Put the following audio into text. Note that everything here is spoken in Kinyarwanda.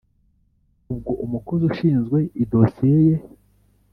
ubwo umukozi ushinzwe idosiye ye